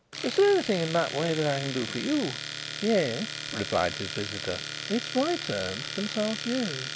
Is there anything in that way that I can do for you?" "Yes," replied his visitor; "it is my turn to consult you."